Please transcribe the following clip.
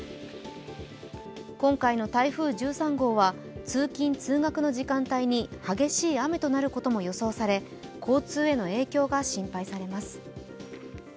今回の台風１３号は通勤・通学の時間帯に激しい雨となることも予想され交通への影響が心配されます。